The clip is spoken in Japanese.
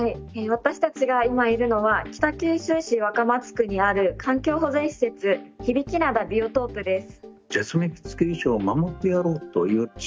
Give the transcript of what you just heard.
私たちが今いるのは北九州市若松区にある環境保全施設響灘ビオトープです。